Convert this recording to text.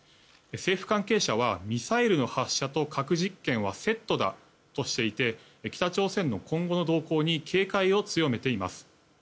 政府関係者はミサイルの発射と核実験はセットだとしていて北朝鮮の今後の動向に警戒を強めています。